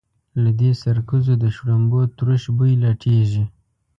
له دې سرکوزو د شړومبو تروش بوی لټېږي.